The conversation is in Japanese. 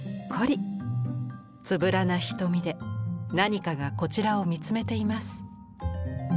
つぶらな瞳で何かがこちらを見つめています。